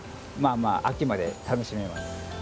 まあまあ秋まで楽しめます。